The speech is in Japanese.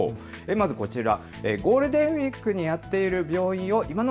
まずこちら。